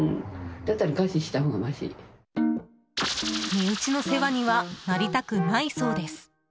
身内の世話にはなりたくないそうです。